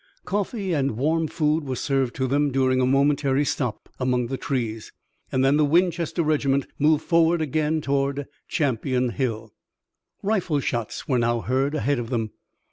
Coffee and warm food were served to them during a momentary stop among the trees, and then the Winchester regiment moved forward again toward Champion Hill. Rifle shots were now heard ahead of them.